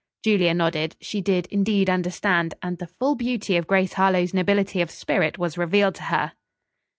Julia nodded. She did, indeed, understand, and the full beauty of Grace Harlowe's nobility of spirit was revealed to her.